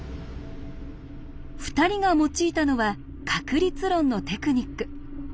２人が用いたのは確率論のテクニック。